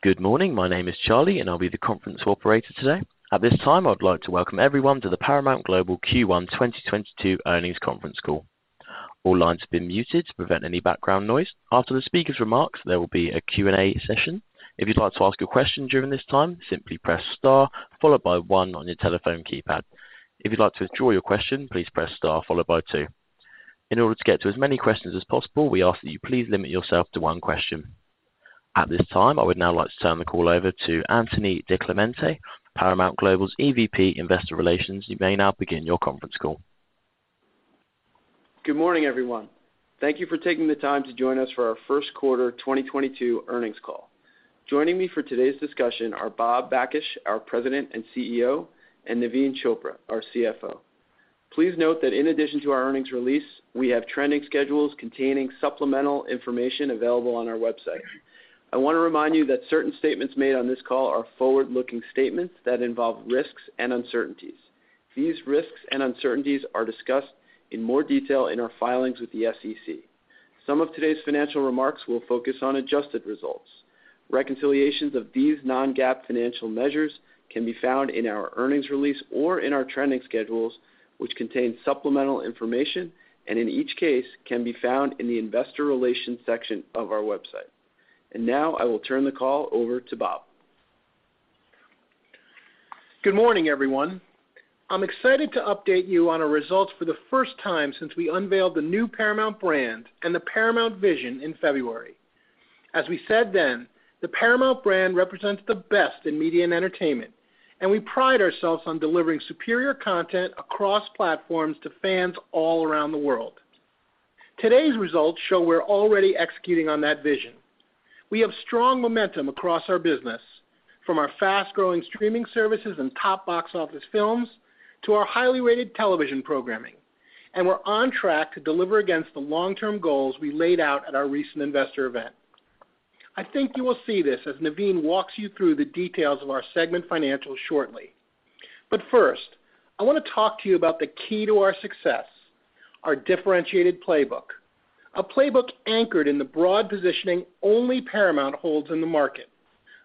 Good morning. My name is Charlie, and I'll be the conference operator today. At this time, I would like to welcome everyone to the Paramount Global first quarter 2022 earnings conference call. All lines have been muted to prevent any background noise. After the speaker's remarks, there will be a Q&A session. If you'd like to ask a question during this time, simply press star followed by one on your telephone keypad. If you'd like to withdraw your question, please press star followed by two. In order to get to as many questions as possible, we ask that you please limit yourself to one question. At this time, I would now like to turn the call over to Anthony DiClemente, Paramount Global's EVP, Investor Relations. You may now begin your conference call. Good morning, everyone. Thank you for taking the time to join us for our first quarter 2022 earnings call. Joining me for today's discussion are Bob Bakish, our President and CEO, and Naveen Chopra, our CFO. Please note that in addition to our earnings release, we have trending schedules containing supplemental information available on our website. I wanna remind you that certain statements made on this call are forward-looking statements that involve risks and uncertainties. These risks and uncertainties are discussed in more detail in our filings with the SEC. Some of today's financial remarks will focus on adjusted results. Reconciliations of these non-GAAP financial measures can be found in our earnings release or in our trending schedules, which contain supplemental information and in each case can be found in the investor relations section of our website. Now I will turn the call over to Bob. Good morning, everyone. I'm excited to update you on our results for the first time since we unveiled the new Paramount brand and the Paramount vision in February. As we said then, the Paramount brand represents the best in media and entertainment, and we pride ourselves on delivering superior content across platforms to fans all around the world. Today's results show we're already executing on that vision. We have strong momentum across our business, from our fast-growing streaming services and top box office films to our highly rated television programming, and we're on track to deliver against the long-term goals we laid out at our recent investor event. I think you will see this as Naveen walks you through the details of our segment financials shortly. First, I wanna talk to you about the key to our success, our differentiated playbook. A playbook anchored in the broad positioning only Paramount holds in the market.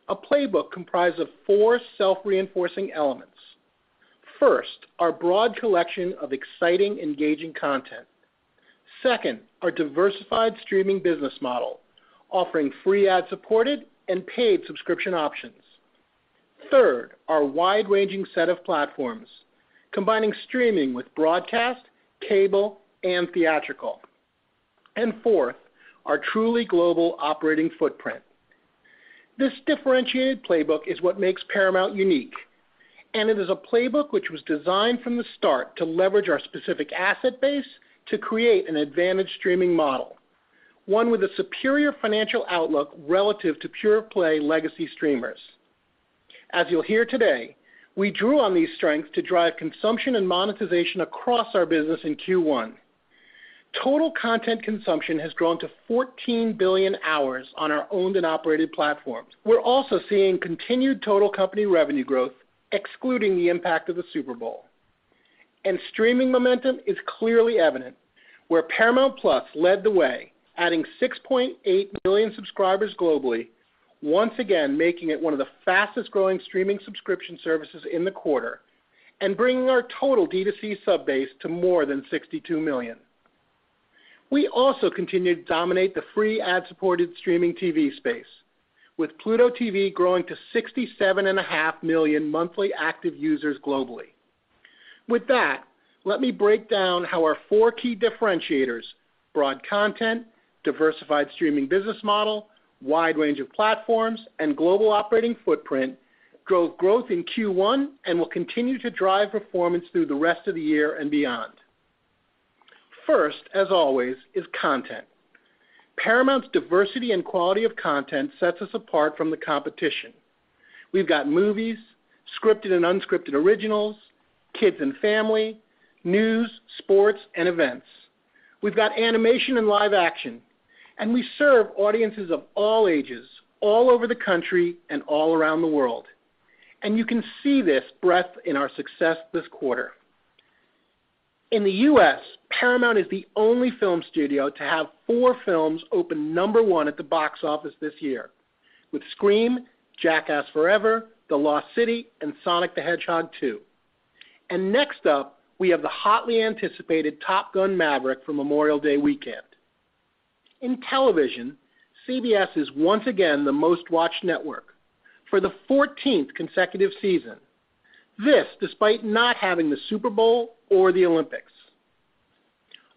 A playbook comprised of four self-reinforcing elements. First, our broad collection of exciting, engaging content. Second, our diversified streaming business model, offering free ad-supported and paid subscription options. Third, our wide-ranging set of platforms, combining streaming with broadcast, cable and theatrical. Fourth, our truly global operating footprint. This differentiated playbook is what makes Paramount unique, and it is a playbook which was designed from the start to leverage our specific asset base to create an advantage streaming model, one with a superior financial outlook relative to pure-play legacy streamers. As you'll hear today, we drew on these strengths to drive consumption and monetization across our business in first quarter. Total content consumption has grown to 14 billion hours on our owned and operated platforms. We're also seeing continued total company revenue growth, excluding the impact of the Super Bowl. Streaming momentum is clearly evident, where Paramount+ led the way, adding 6.8 million subscribers globally, once again making it one of the fastest-growing streaming subscription services in the quarter and bringing our total D2C sub base to more than 62 million. We also continue to dominate the free ad-supported streaming TV space, with Pluto TV growing to 67.5 million monthly active users globally. With that, let me break down how our four key differentiators, broad content, diversified streaming business model, wide range of platforms, and global operating footprint drove growth in first quarter and will continue to drive performance through the rest of the year and beyond. First, as always, is content. Paramount's diversity and quality of content sets us apart from the competition. We've got movies, scripted and unscripted originals, kids and family, news, sports, and events. We've got animation and live action, and we serve audiences of all ages, all over the country and all around the world. You can see this breadth in our success this quarter. In the U.S., Paramount is the only film studio to have four films open number one at the box office this year with Scream, Jackass Forever, The Lost City, and Sonic the Hedgehog two. Next up, we have the hotly anticipated Top Gun: Maverick for Memorial Day weekend. In television, CBS is once again the most-watched network for the fourteenth consecutive season. This despite not having the Super Bowl or the Olympics.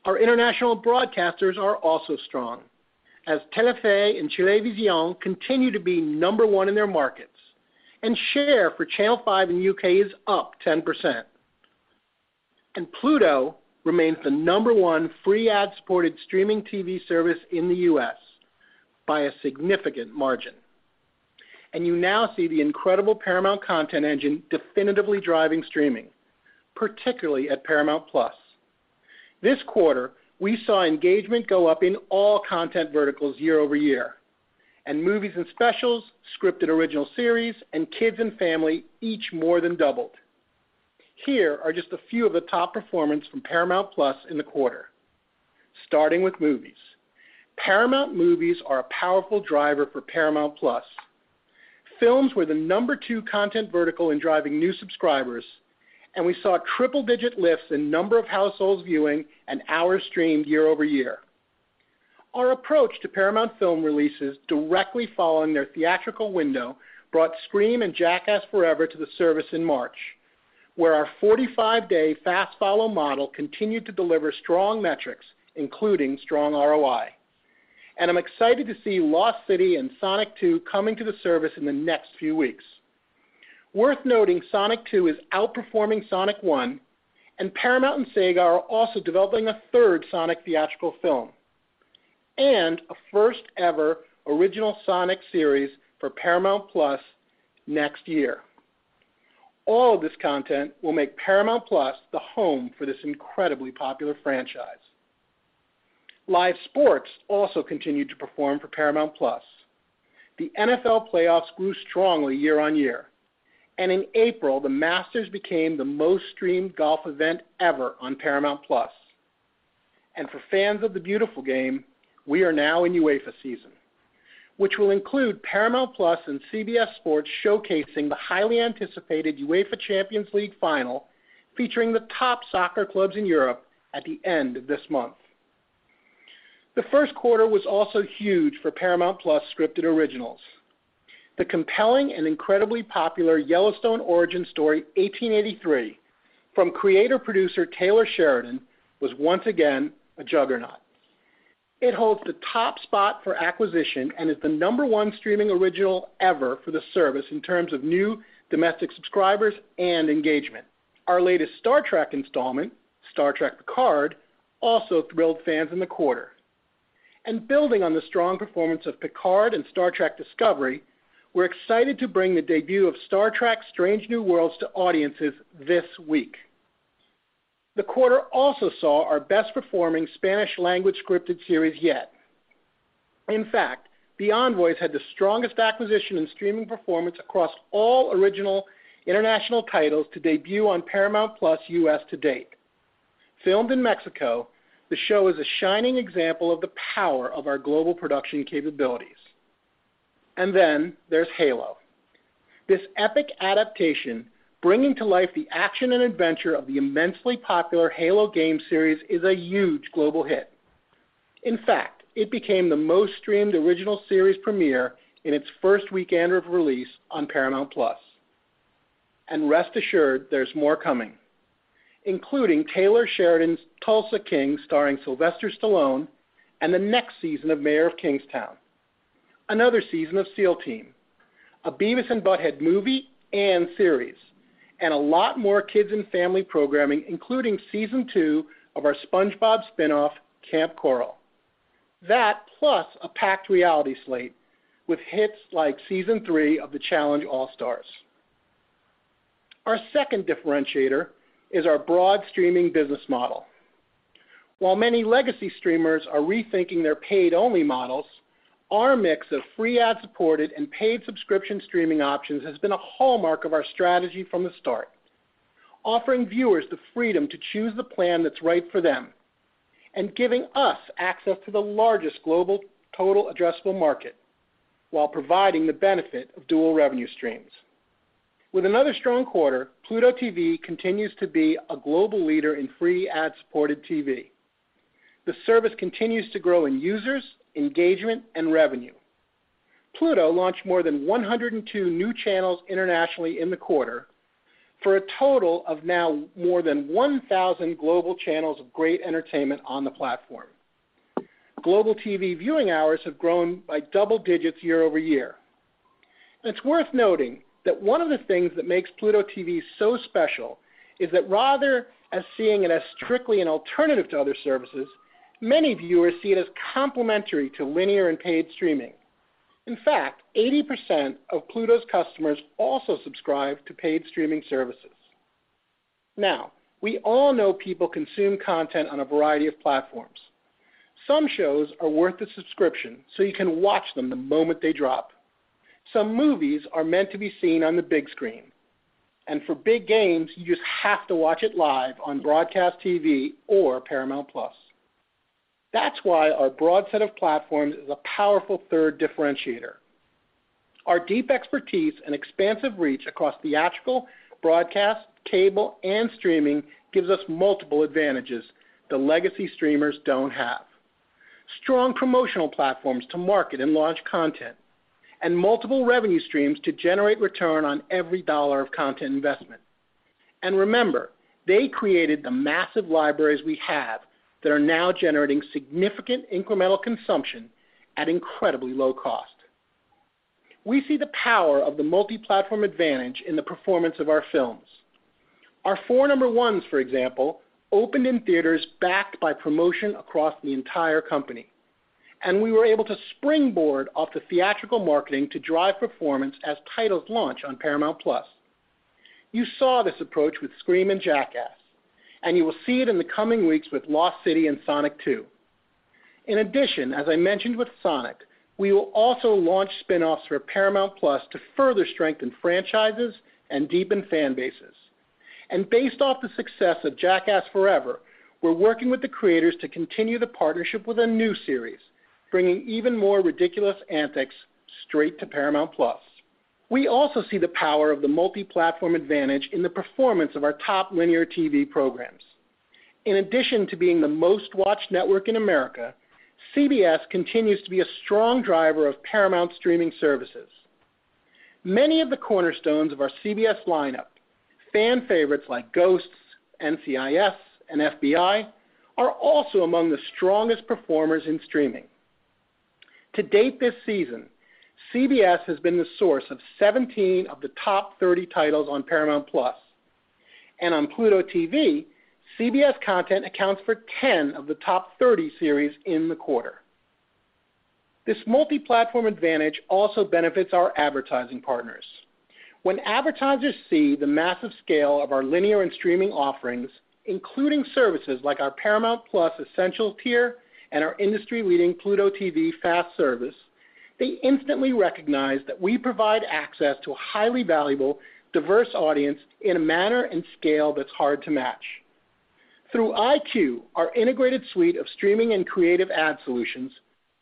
Our international broadcasters are also strong as TF1 and Chilevisión continue to be number one in their markets, and share for Channel 5 in U.K. is up 10%. Pluto remains the number one free ad-supported streaming TV service in the U.S. by a significant margin. You now see the incredible Paramount content engine definitively driving streaming, particularly at Paramount+. This quarter, we saw engagement go up in all content verticals year-over-year, and movies and specials, scripted original series, and kids and family each more than doubled. Here are just a few of the top performance from Paramount+ in the quarter. Starting with movies. Paramount movies are a powerful driver for Paramount+. Films were the number two content vertical in driving new subscribers, and we saw triple-digit lifts in number of households viewing and hours streamed year-over-year. Our approach to Paramount Film releases directly following their theatrical window brought Scream and Jackass Forever to the service in March, where our 45-day fast follow model continued to deliver strong metrics, including strong ROI. I'm excited to see Lost City and Sonic Two coming to the service in the next few weeks. Worth noting, Sonic Two is outperforming Sonic One, and Paramount and Sega are also developing a third Sonic theatrical film and a first-ever original Sonic series for Paramount+ next year. All of this content will make Paramount+ the home for this incredibly popular franchise. Live sports also continued to perform for Paramount+. The NFL playoffs grew strongly year-over-year, and in April, the Masters became the most streamed golf event ever on Paramount+. For fans of the beautiful game, we are now in UEFA season, which will include Paramount+ and CBS Sports showcasing the highly anticipated UEFA Champions League final, featuring the top soccer clubs in Europe at the end of this month. The first quarter was also huge for Paramount+ scripted originals. The compelling and incredibly popular Yellowstone origin story, 1883, from creator, producer Taylor Sheridan, was once again a juggernaut. It holds the top spot for acquisition and is the number one streaming original ever for the service in terms of new domestic subscribers and engagement. Our latest Star Trek installment, Star Trek: Picard, also thrilled fans in the quarter. Building on the strong performance of Picard and Star Trek: Discovery, we're excited to bring the debut of Star Trek: Strange New Worlds to audiences this week. The quarter also saw our best-performing Spanish language scripted series yet. In fact, Más allá de la voz had the strongest acquisition and streaming performance across all original international titles to debut on Paramount+ U.S. to date. Filmed in Mexico, the show is a shining example of the power of our global production capabilities. Then there's Halo. This epic adaptation, bringing to life the action and adventure of the immensely popular Halo game series, is a huge global hit. In fact, it became the most streamed original series premiere in its first weekend of release on Paramount+. Rest assured, there's more coming, including Taylor Sheridan's Tulsa King starring Sylvester Stallone and the next season of Mayor of Kingstown, another season of SEAL Team, a Beavis and Butt-Head movie and series, and a lot more kids and family programming, including season two of our SpongeBob spinoff, Kamp Koral. That plus a packed reality slate with hits like season three of The Challenge: All Stars. Our second differentiator is our broad streaming business model. While many legacy streamers are re-thinking their paid-only models, our mix of free ad-supported and paid subscription streaming options has been a hallmark of our strategy from the start, offering viewers the freedom to choose the plan that's right for them and giving us access to the largest global total addressable market while providing the benefit of dual revenue streams. With another strong quarter, Pluto TV continues to be a global leader in free ad-supported TV. The service continues to grow in users, engagement, and revenue. Pluto launched more than 102 new channels internationally in the quarter for a total of now more than 1,000 global channels of great entertainment on the platform. Global TV viewing hours have grown by double digits year-over-year. It's worth noting that one of the things that makes Pluto TV so special is that rather than seeing it as strictly an alternative to other services, many viewers see it as complementary to linear and paid streaming. In fact, 80% of Pluto's customers also subscribe to paid streaming services. Now, we all know people consume content on a variety of platforms. Some shows are worth the subscription, so you can watch them the moment they drop. Some movies are meant to be seen on the big screen, and for big games, you just have to watch it live on broadcast TV or Paramount+. That's why our broad set of platforms is a powerful third differentiator. Our deep expertise and expansive reach across theatrical, broadcast, cable, and streaming gives us multiple advantages the legacy streamers don't have. Strong promotional platforms to market and launch content, and multiple revenue streams to generate return on every dollar of content investment. Remember, they created the massive libraries we have that are now generating significant incremental consumption at incredibly low cost. We see the power of the multi-platform advantage in the performance of our films. Our four number ones, for example, opened in theaters backed by promotion across the entire company, and we were able to springboard off the theatrical marketing to drive performance as titles launch on Paramount+. You saw this approach with Scream and Jackass, and you will see it in the coming weeks with The Lost City and Sonic the Hedgehog 2. In addition, as I mentioned with Sonic, we will also launch spinoffs for Paramount+ to further strengthen franchises and deepen fan bases. Based off the success of Jackass Forever, we're working with the creators to continue the partnership with a new series, bringing even more ridiculous antics straight to Paramount+. We also see the power of the multi-platform advantage in the performance of our top linear TV programs. In addition to being the most-watched network in America, CBS continues to be a strong driver of Paramount streaming services. Many of the corner-stones of our CBS lineup, fan favorites like Ghosts, NCIS, and FBI, are also among the strongest performers in streaming. To date this season, CBS has been the source of 17 of the top 30 titles on Paramount+. On Pluto TV, CBS content accounts for 10 of the top 30 series in the quarter. This multi-platform advantage also benefits our advertising partners. When advertisers see the massive scale of our linear and streaming offerings, including services like our Paramount+ Essential tier and our industry-leading Pluto TV FAST service, they instantly recognize that we provide access to a highly valuable, diverse audience in a manner and scale that's hard to match. Through EyeQ, our integrated suite of streaming and creative ad solutions,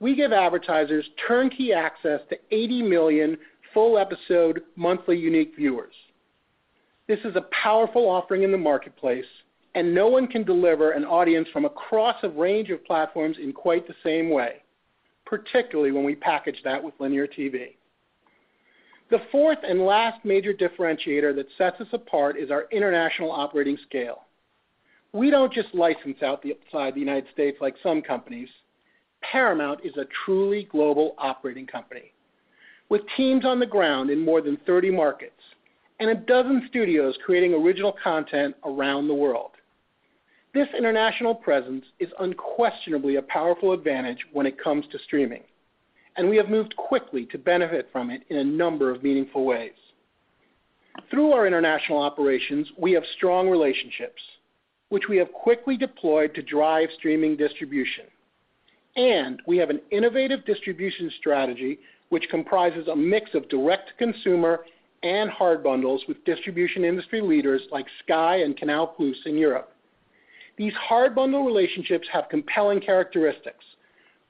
we give advertisers turnkey access to 80 million full-episode monthly unique viewers. This is a powerful offering in the marketplace, and no one can deliver an audience from across a range of platforms in quite the same way, particularly when we package that with linear TV. The fourth and last major differentiator that sets us apart is our international operating scale. We don't just license outside the United States like some companies. Paramount is a truly global operating company, with teams on the ground in more than 30 markets and 12 studios creating original content around the world. This international presence is unquestionably a powerful advantage when it comes to streaming, and we have moved quickly to benefit from it in a number of meaningful ways. Through our international operations, we have strong relationships, which we have quickly deployed to drive streaming distribution. We have an innovative distribution strategy which comprises a mix of direct-to-consumer and hard bundles with distribution industry leaders like Sky and Canal+ in Europe. These hard bundle relationships have compelling characteristics,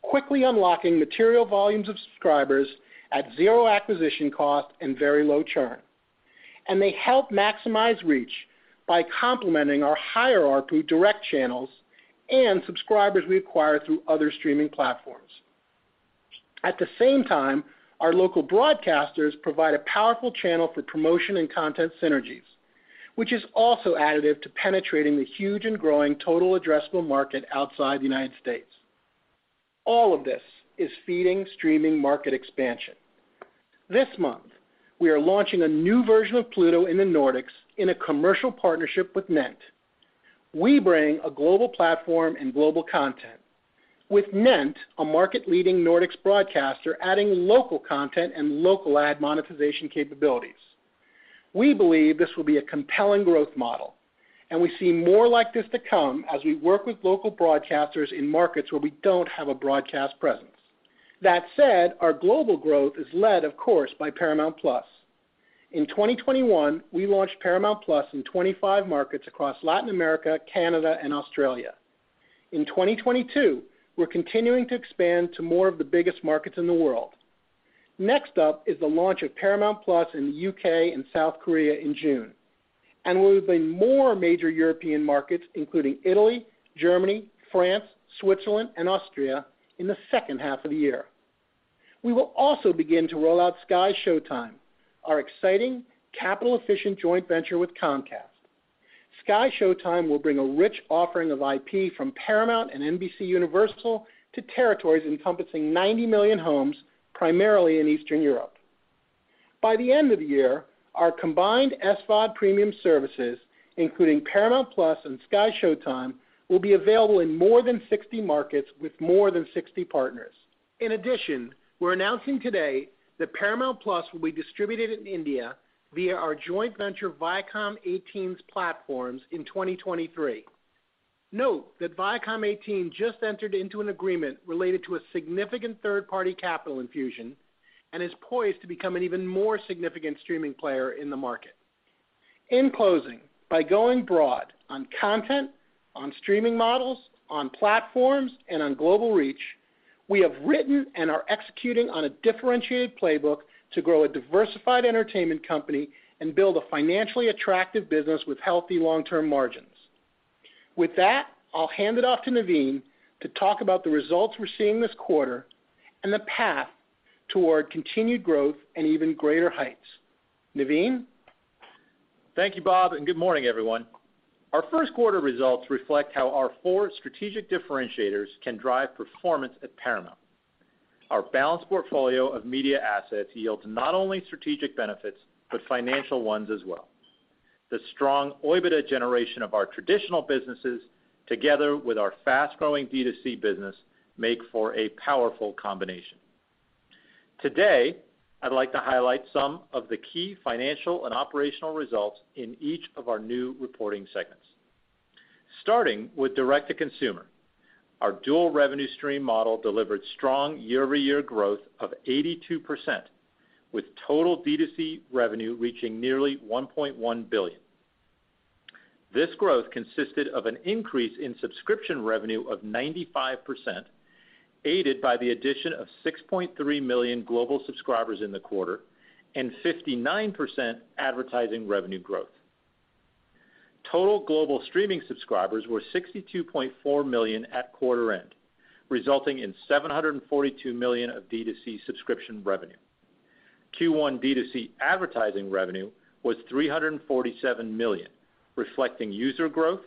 quickly unlocking material volumes of subscribers at zero acquisition cost and very low churn. They help maximize reach by complementing our hybrid direct channels and subscribers we acquire through other streaming platforms. At the same time, our local broadcasters provide a powerful channel for promotion and content synergies, which is also additive to penetrating the huge and growing total addressable market outside the United States. All of this is feeding streaming market expansion. This month, we are launching a new version of Pluto in the Nordics in a commercial partnership with NENT. We bring a global platform and global content. With NENT, a market-leading Nordics broadcaster adding local content and local ad monetization capabilities. We believe this will be a compelling growth model, and we see more like this to come as we work with local broadcasters in markets where we don't have a broadcast presence. That said, our global growth is led, of course, by Paramount+. In 2021, we launched Paramount Plus in 25 markets across Latin America, Canada, and Australia. In 2022, we're continuing to expand to more of the biggest markets in the world. Next up is the launch of Paramount Plus in the U.K. and South Korea in June. We'll be in more major European markets, including Italy, Germany, France, Switzerland, and Austria in the second half of the year. We will also begin to roll out SkyShowtime, our exciting capital-efficient joint venture with Comcast. SkyShowtime will bring a rich offering of IP from Paramount and NBCUniversal to territories encompassing 90 million homes, primarily in Eastern Europe. By the end of the year, our combined SVOD premium services, including Paramount Plus and SkyShowtime, will be available in more than 60 markets with more than 60 partners. In addition, we're announcing today that Paramount+ will be distributed in India via our joint venture Viacom18's platforms in 2023. Note that Viacom18 just entered into an agreement related to a significant third-party capital infusion and is poised to become an even more significant streaming player in the market. In closing, by going broad on content, on streaming models, on platforms, and on global reach, we have written and are executing on a differentiated playbook to grow a diversified entertainment company and build a financially attractive business with healthy long-term margins. With that, I'll hand it off to Naveen to talk about the results we're seeing this quarter and the path toward continued growth and even greater heights. Naveen? Thank you, Bob, and good morning, everyone. Our first quarter results reflect how our four strategic differentiators can drive performance at Paramount. Our balanced portfolio of media assets yields not only strategic benefits but financial ones as well. The strong OIBDA generation of our traditional businesses together with our fast-growing D2C business make for a powerful combination. Today, I'd like to highlight some of the key financial and operational results in each of our new reporting segments. Starting with direct-to-consumer. Our dual revenue stream model delivered strong year-over-year growth of 82%, with total D2C revenue reaching nearly $1.1 billion. This growth consisted of an increase in subscription revenue of 95%, aided by the addition of 6.3 million global subscribers in the quarter and 59% advertising revenue growth. Total global streaming subscribers were 62.4 million at quarter end, resulting in $742 million of D2C subscription revenue. first quarter D2C advertising revenue was $347 million, reflecting user growth,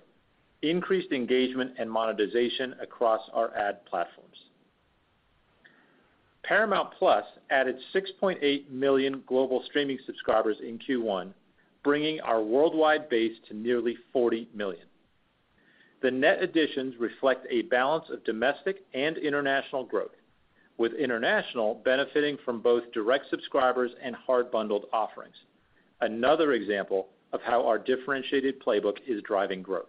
increased engagement and monetization across our ad platforms. Paramount Plus added 6.8 million global streaming subscribers in first quarter, bringing our worldwide base to nearly 40 million. The net additions reflect a balance of domestic and international growth, with international benefiting from both direct subscribers and hard bundled offerings. Another example of how our differentiated playbook is driving growth.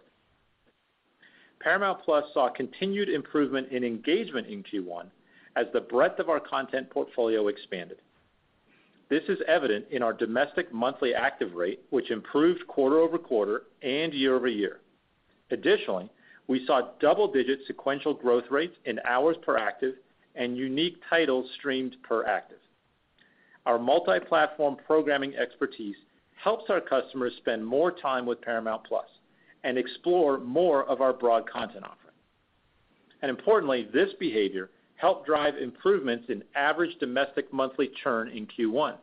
Paramount Plus saw continued improvement in engagement in first quarter as the breadth of our content portfolio expanded. This is evident in our domestic monthly active rate, which improved quarter-over-quarter and year-over-year. Additionally, we saw double-digit sequential growth rates in hours per active and unique titles streamed per active. Our multi-platform programming expertise helps our customers spend more time with Paramount+ and explore more of our broad content offering. Importantly, this behavior helped drive improvements in average domestic monthly churn in first quarter,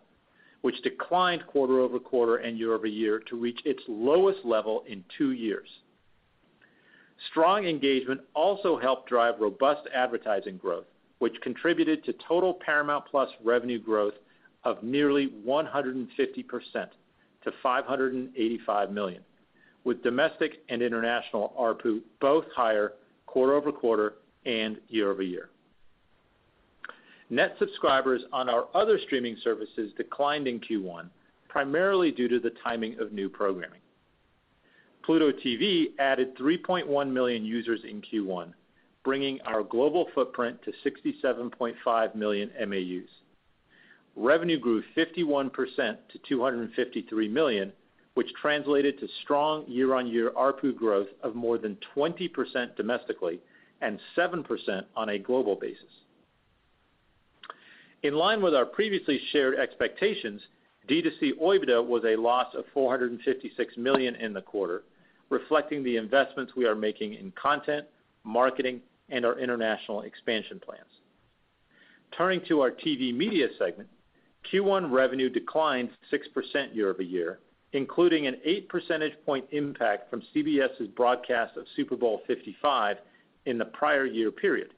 which declined quarter-over-quarter and year-over-year to reach its lowest level in two years. Strong engagement also helped drive robust advertising growth, which contributed to total Paramount+ revenue growth of nearly 150% to $585 million, with domestic and international ARPU both higher quarter-over-quarter and year-over-year. Net subscribers on our other streaming services declined in first quarter, primarily due to the timing of new programming. Pluto TV added 3.1 million users in first quarter, bringing our global footprint to 67.5 million MAUs. Revenue grew 51% to $253 million, which translated to strong year-on-year ARPU growth of more than 20% domestically and 7% on a global basis. In line with our previously shared expectations, D2C OIBDA was a loss of $456 million in the quarter, reflecting the investments we are making in content, marketing, and our international expansion plans. Turning to our TV media segment, first quarter revenue declined 6% year-over-year, including an eight percentage point impact from CBS's broadcast of Super Bowl LV in the prior year period.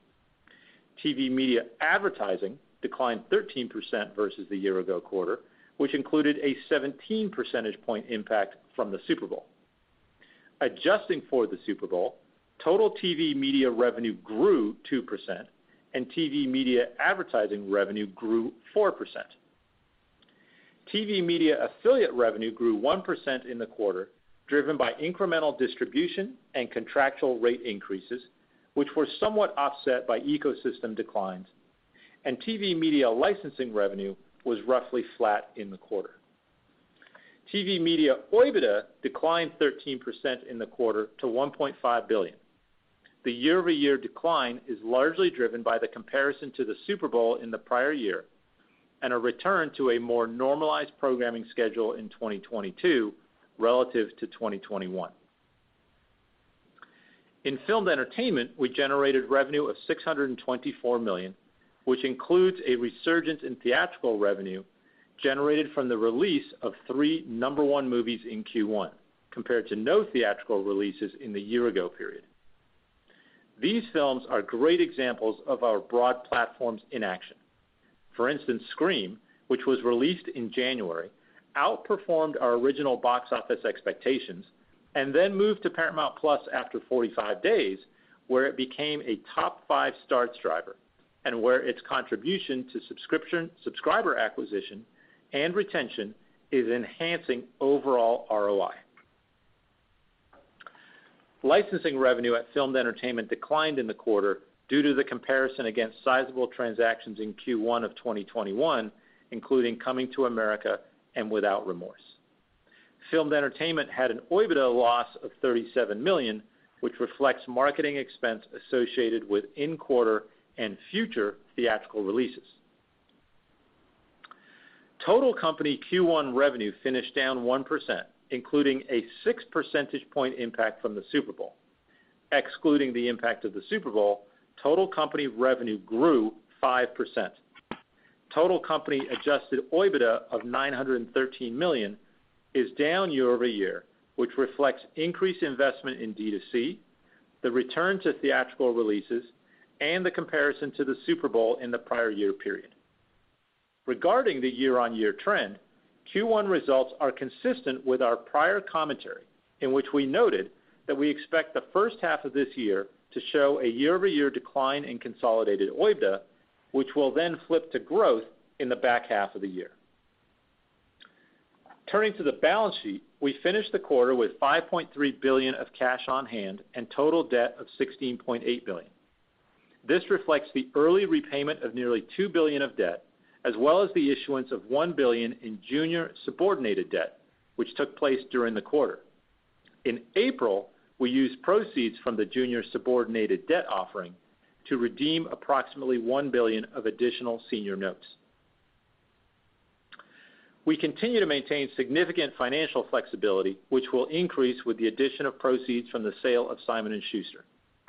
TV media advertising declined 13% versus the year-ago quarter, which included a 17 percentage point impact from the Super Bowl. Adjusting for the Super Bowl, total TV media revenue grew 2% and TV media advertising revenue grew 4%. TV media affiliate revenue grew 1% in the quarter, driven by incremental distribution and contractual rate increases, which were somewhat offset by ecosystem declines, and TV media licensing revenue was roughly flat in the quarter. TV media OIBDA declined 13% in the quarter to $1.5 billion. The year-over-year decline is largely driven by the comparison to the Super Bowl in the prior year and a return to a more normalized programming schedule in 2022 relative to 2021. In Filmed Entertainment, we generated revenue of $624 million, which includes a resurgence in theatrical revenue generated from the release of three number-one movies in first quarter compared to no theatrical releases in the year-ago period. These films are great examples of our broad platforms in action. For instance, Scream, which was released in January, out-performed our original box office expectations and then moved to Paramount+ after 45 days, where it became a top five starts driver and where its contribution to subscription, subscriber acquisition and retention is enhancing overall ROI. Licensing revenue at Filmed Entertainment declined in the quarter due to the comparison against sizable transactions in first quarter of 2021, including Coming to America and Without Remorse. Filmed Entertainment had an OIBDA loss of $37 million, which reflects marketing expense associated with in-quarter and future theatrical releases. Total company first quarter revenue finished down 1%, including a six percentage point impact from the Super Bowl. Excluding the impact of the Super Bowl, total company revenue grew 5%. Total company adjusted OIBDA of $913 million is down year-over-year, which reflects increased investment in D2C, the return to theatrical releases, and the comparison to the Super Bowl in the prior year period. Regarding the year-on-year trend, first quarter results are consistent with our prior commentary, in which we noted that we expect the first half of this year to show a year-over-year decline in consolidated OIBDA, which will then flip to growth in the back half of the year. Turning to the balance sheet, we finished the quarter with $5.3 billion of cash on hand and total debt of $16.8 billion. This reflects the early repayment of nearly $2 billion of debt, as well as the issuance of $1 billion in junior subordinated debt, which took place during the quarter. In April, we used proceeds from the junior subordinated debt offering to redeem approximately $1 billion of additional senior notes. We continue to maintain significant financial flexibility, which will increase with the addition of proceeds from the sale of Simon & Schuster.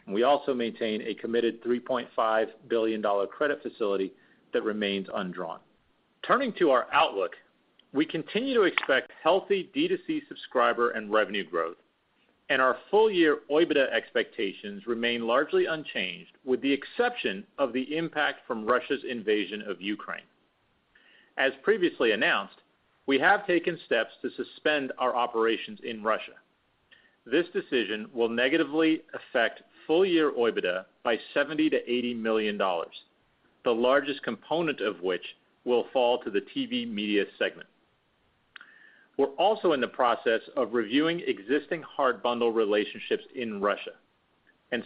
We also maintain a committed $3.5 billion credit facility that remains undrawn. Turning to our out-look, we continue to expect healthy D2C subscriber and revenue growth, and our full year OIBDA expectations remain largely unchanged, with the exception of the impact from Russia's invasion of Ukraine. As previously announced, we have taken steps to suspend our operations in Russia. This decision will negatively affect full year OIBDA by $70 million-$80 million, the largest component of which will fall to the TV media segment. We're also in the process of reviewing existing hard bundle relationships in Russia.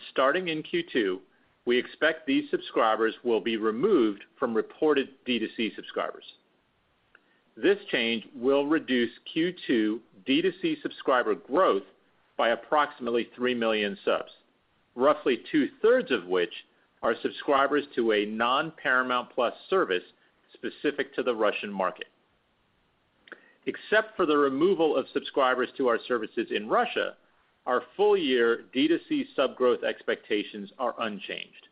Starting in second quarter, we expect these subscribers will be removed from reported D2C subscribers. This change will reduce second quarter D2C subscriber growth by approximately 3 million subs, roughly two-thirds of which are subscribers to a non-Paramount+ service specific to the Russian market. Except for the removal of subscribers to our services in Russia, our full year D2C sub growth expectations are unchanged.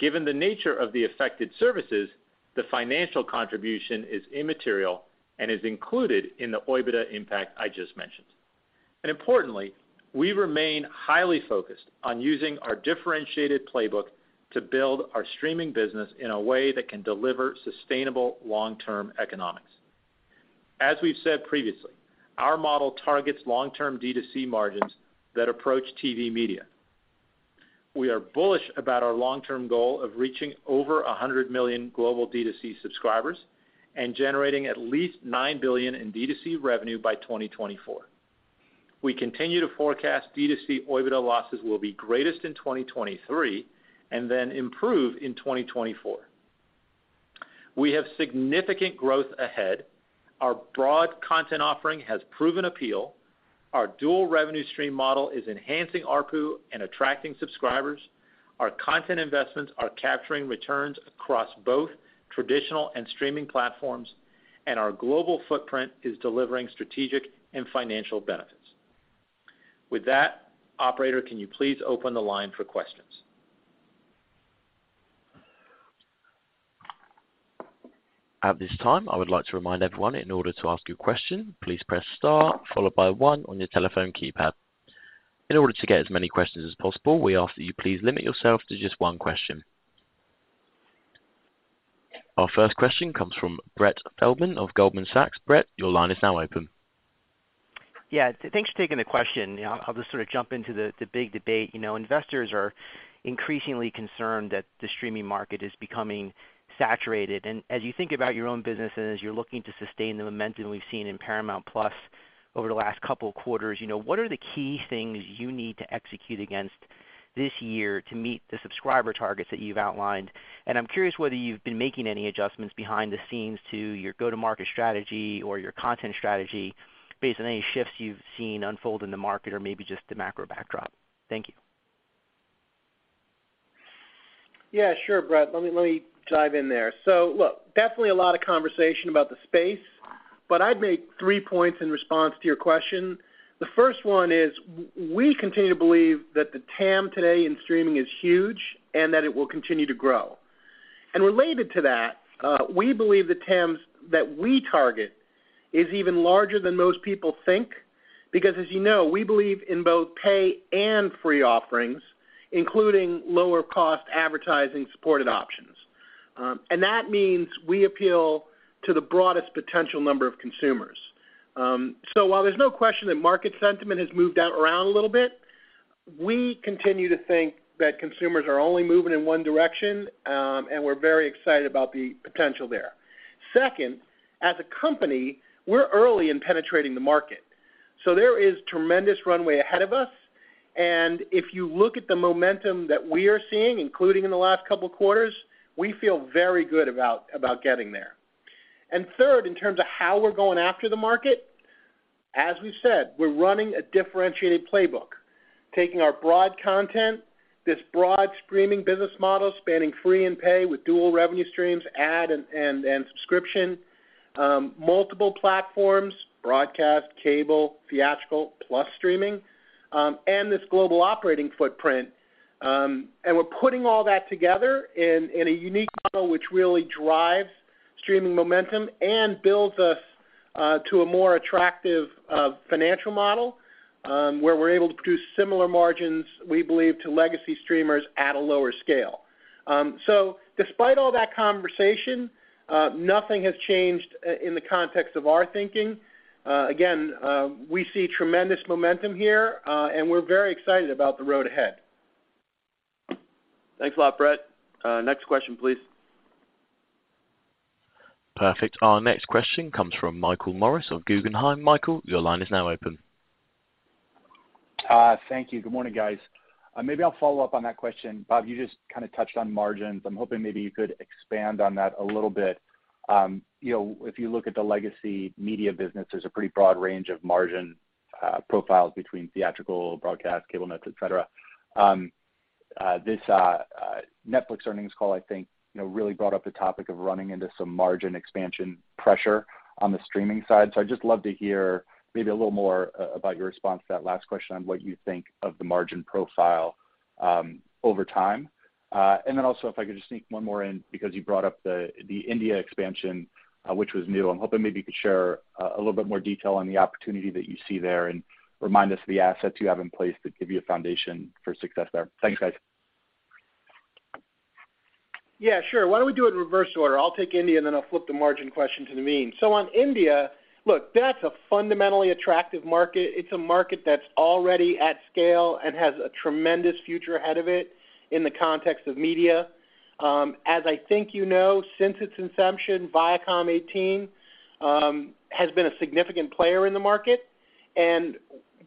Given the nature of the affected services, the financial contribution is immaterial and is included in the OIBDA impact I just mentioned. Importantly, we remain highly focused on using our differentiated playbook to build our streaming business in a way that can deliver sustainable long-term economics. As we've said previously, our model targets long-term D2C margins that approach TV media. We are bullish about our long-term goal of reaching over 100 million global D2C subscribers and generating at least $9 billion in D2C revenue by 2024. We continue to forecast D2C OIBDA losses will be greatest in 2023 and then improve in 2024. We have significant growth ahead. Our broad content offering has proven appeal. Our dual revenue stream model is enhancing ARPU and attracting subscribers. Our content investments are capturing returns across both traditional and streaming platforms, and our global footprint is delivering strategic and financial benefits. With that, operator, can you please open the line for questions? At this time, I would like to remind everyone in order to ask your question, please press star followed by one on your telephone keypad. In order to get as many questions as possible, we ask that you please limit yourself to just one question. Our first question comes from Brett Feldman of Goldman Sachs. Brett, your line is now open. Yeah, thanks for taking the question. I'll just sort of jump into the big debate. You know, investors are increasingly concerned that the streaming market is becoming saturated. As you think about your own business and as you're looking to sustain the momentum we've seen in Paramount+ over the last couple of quarters, you know, what are the key things you need to execute against this year to meet the subscriber targets that you've outlined? I'm curious whether you've been making any adjustments behind the scenes to your go-to-market strategy or your content strategy based on any shifts you've seen unfold in the market or maybe just the macro back-drop. Thank you. Yeah, sure, Brett. Let me dive in there. Look, definitely a lot of conversation about the space, but I'd make three points in response to your question. The first one is we continue to believe that the TAM today in streaming is huge and that it will continue to grow. Related to that, we believe the TAMs that we target is even larger than most people think, because as you know, we believe in both pay and free offerings, including lower cost advertising-supported options. That means we appeal to the broadest potential number of consumers. While there's no question that market sentiment has moved out around a little bit, we continue to think that consumers are only moving in one direction, and we're very excited about the potential there. Second, as a company, we're early in penetrating the market, so there is tremendous runway ahead of us. If you look at the momentum that we are seeing, including in the last couple of quarters, we feel very good about getting there. Third, in terms of how we're going after the market, as we said, we're running a differentiated playbook, taking our broad content, this broad streaming business model spanning free and pay with dual revenue streams, ad and subscription, multiple platforms, broadcast, cable, theatrical, plus streaming, and this global operating footprint. We're putting all that together in a unique model which really drives streaming momentum and builds us to a more attractive financial model, where we're able to produce similar margins, we believe, to legacy streamers at a lower scale. Despite all that conversation, nothing has changed in the context of our thinking. Again, we see tremendous momentum here, and we're very excited about the road ahead. Thanks a lot, Brett. Next question, please. Perfect. Our next question comes from Michael Morris of Guggenheim. Michael, your line is now open. Thank you. Good morning, guys. Maybe I'll follow up on that question. Bob, you just kind of touched on margins. I'm hoping maybe you could expand on that a little bit. You know, if you look at the legacy media business, there's a pretty broad range of margin profiles between theatrical, broadcast, cable nets, et cetera. This Netflix earnings call, I think, you know, really brought up the topic of running into some margin expansion pressure on the streaming side. I'd just love to hear maybe a little more about your response to that last question on what you think of the margin profile over time. Also, if I could just sneak one more in, because you brought up the India expansion, which was new. I'm hoping maybe you could share a little bit more detail on the opportunity that you see there and remind us of the assets you have in place that give you a foundation for success there. Thanks, guys. Yeah, sure. Why don't we do it in reverse order? I'll take India, and then I'll flip the margin question to Naveen. On India, look, that's a fundamentally attractive market. It's a market that's already at scale and has a tremendous future ahead of it in the context of media. As I think you know, since its inception, Viacom18 has been a significant player in the market.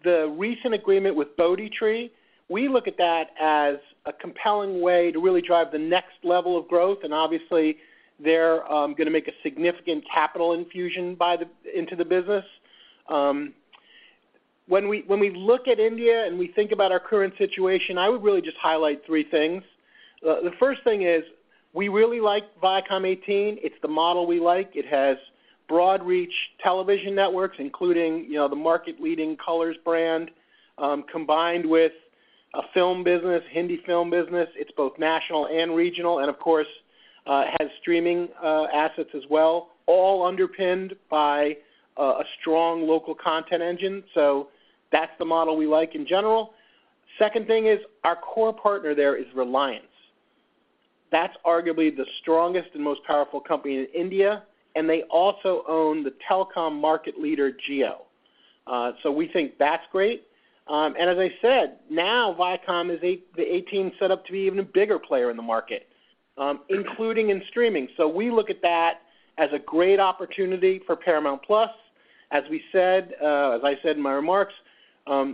The recent agreement with Bodhi Tree, we look at that as a compelling way to really drive the next level of growth. Obviously, they're gonna make a significant capital infusion into the business. When we look at India and we think about our current situation, I would really just highlight three things. The first thing is we really like Viacom18. It's the model we like. It has broad reach television networks, including, you know, the market-leading Colors brand, combined with a film business, Hindi film business. It's both national and regional, and of course, has streaming assets as well, all underpinned by a strong local content engine. That's the model we like in general. Second thing is our core partner there is Reliance. That's arguably the strongest and most powerful company in India, and they also own the telecom market leader, Jio. We think that's great. As I said, now Viacom18 is set up to be even a bigger player in the market, including in streaming. We look at that as a great opportunity for Paramount+. As I said in my remarks,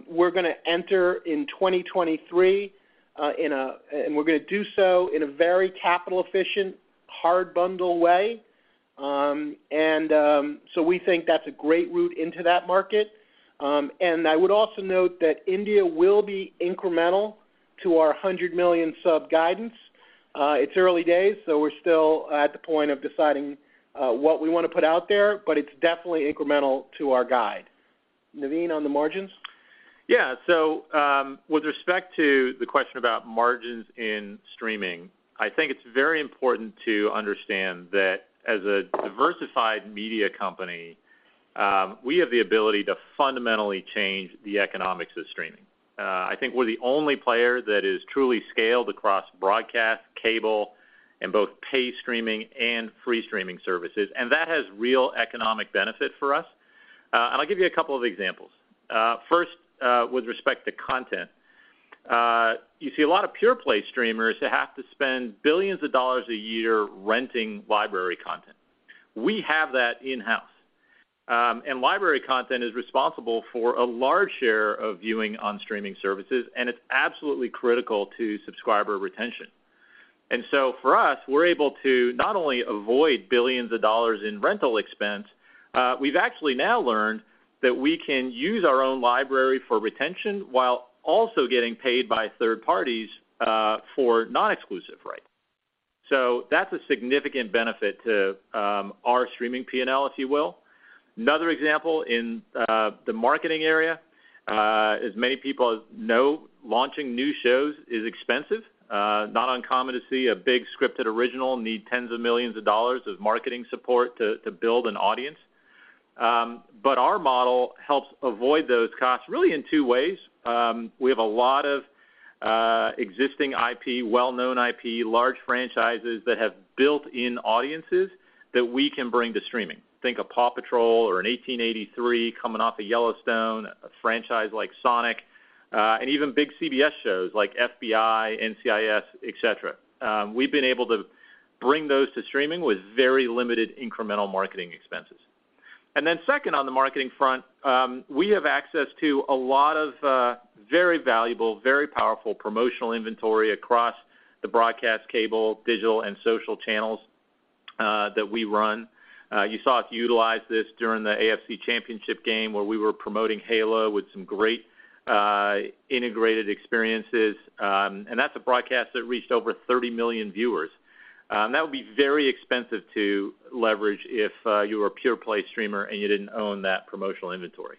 we're gonna enter in 2023, and we're gonna do so in a very capital efficient, hard bundle way. We think that's a great route into that market. I would also note that India will be incremental to our 100 million sub guidance. It's early days, so we're still at the point of deciding what we wanna put out there, but it's definitely incremental to our guide. Naveen, on the margins? Yeah. With respect to the question about margins in streaming, I think it's very important to understand that as a diversified media company, we have the ability to fundamentally change the economics of streaming. I think we're the only player that is truly scaled across broadcast, cable, and both paid streaming and free streaming services, and that has real economic benefit for us. I'll give you a couple of examples. First, with respect to content, you see a lot of pure play streamers that have to spend billions of dollars a year renting library content. We have that in-house. Library content is responsible for a large share of viewing on streaming services, and it's absolutely critical to subscriber retention. For us, we're able to not only avoid $ billions in rental expense. We've actually now learned that we can use our own library for retention while also getting paid by third parties for non-exclusive rights. That's a significant benefit to our streaming P&L, if you will. Another example in the marketing area, as many people know, launching new shows is expensive. Not uncommon to see a big scripted original need $ tens of millions of marketing support to build an audience. Our model helps avoid those costs really in two ways. We have a lot of existing IP, well-known IP, large franchises that have built-in audiences that we can bring to streaming. Think of PAW Patrol or an 1883 coming off a Yellowstone, a franchise like Sonic, and even big CBS shows like FBI, NCIS, et cetera. We've been able to bring those to streaming with very limited incremental marketing expenses. Second on the marketing front, we have access to a lot of very valuable, very powerful promotional inventory across the broadcast, cable, digital, and social channels that we run. You saw us utilize this during the AFC Championship Game where we were promoting Halo with some great integrated experiences. That's a broadcast that reached over 30 million viewers. That would be very expensive to leverage if you were a pure play streamer and you didn't own that promotional inventory.